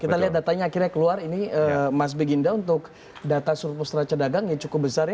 kita lihat datanya akhirnya keluar ini mas beginda untuk data surplus neraca dagang yang cukup besar ya